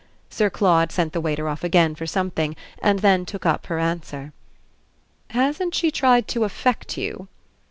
Sir Claude sent the waiter off again for something and then took up her answer. "Hasn't she tried to affect you?"